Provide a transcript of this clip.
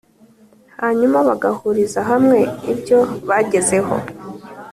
hanyuma bagahuriza hamwe ibyo bagezeho